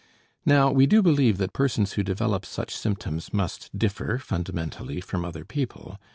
Now we do believe that persons who develop such symptoms must differ fundamentally from other people.